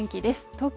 東京